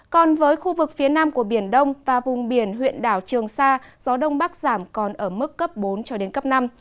còn với khu vực phía nam của biển đông và vùng biển huyện đảo trường sa gió đông bắc giảm còn ở mức cấp bốn cho đến cấp năm